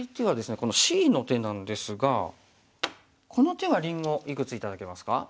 このＣの手なんですがこの手はりんごいくつ頂けますか？